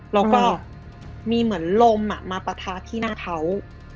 แล้วก็มีเหมือนลมมาปะทะที่หน้าเขา